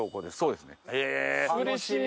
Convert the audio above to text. うれしい。